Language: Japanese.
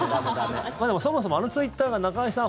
そもそもあのツイッターが中居さん